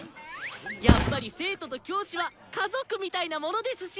やっぱり生徒と教師は家族みたいなものですし！